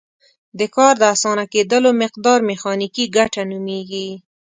د کار د اسانه کیدلو مقدار میخانیکي ګټه نومیږي.